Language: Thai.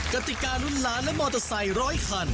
กติการุ่นล้านและมอเตอร์ไซค์ร้อยคัน